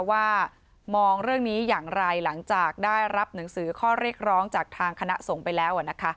ว่ามองเรื่องนี้อย่างไรหลังจากได้รับหนังสือข้อเรียกร้องจากทางคณะสงฆ์ไปแล้ว